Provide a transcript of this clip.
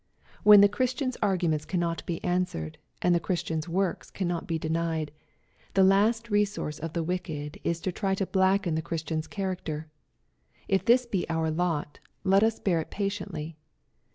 When the Christian's arguments cannot be answered, and the Christian's works cannot be denied, the last resource of the wicked is to try to blacken the Christian's character. If this be our lot, let us bear it patiently.